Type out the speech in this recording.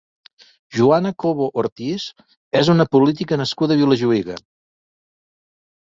Joana Cobo Ortiz és una política nascuda a Vilajuïga.